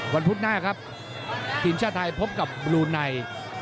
พุธหน้าครับทีมชาติไทยพบกับบลูไน